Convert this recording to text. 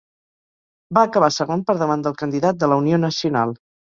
Va acabar segon per davant del candidat de la Unió Nacional.